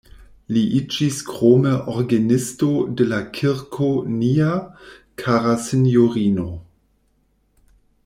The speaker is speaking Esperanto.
Li iĝis krome orgenisto de la Kirko Nia kara sinjorino.